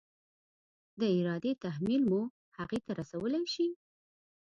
د ارادې تحمیل مو هغې ته رسولی شي؟